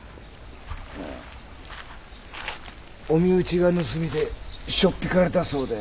お身内が盗みでしょっぴかれたそうで。